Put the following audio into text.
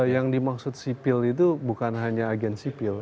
yang dimaksud sipil itu bukan hanya agen sipil